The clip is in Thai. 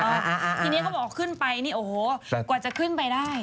ทีเนี้ยเขาก็บอกว่าออกขึ้นไปกว่าจะขึ้นไปได้